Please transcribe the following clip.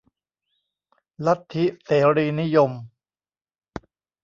ลัทธิเสรีนิยม